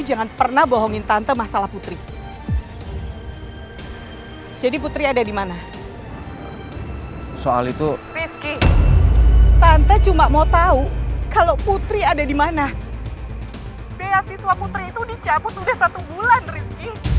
nah beasiswa putri itu dicabut udah satu bulan rizky